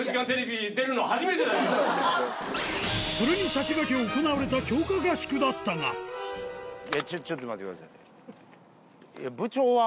それに先駆け行われた強化合宿だったがちょっと待ってください。